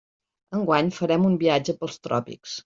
Enguany farem un viatge pels tròpics.